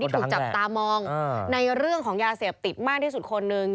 ถูกจับตามองในเรื่องของยาเสพติดมากที่สุดคนหนึ่ง